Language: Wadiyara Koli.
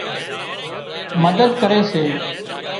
مدد ڪري سي